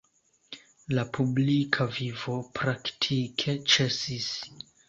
La publika vivo praktike ĉesis.